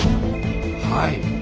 はい。